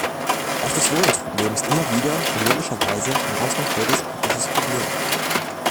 Auch das Wohnungsproblem ist immer wieder und logischerweise ein ganz konkretes praktisches Problem.